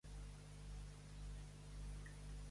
Alí, Yússuf, Àhmad i el mateix Muhàmmad.